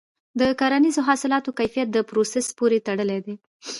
د کرنیزو حاصلاتو کیفیت د پروسس پورې تړلی دی.